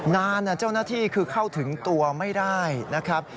เจ้าหน้าที่คือเข้าถึงตัวไม่ได้นะครับ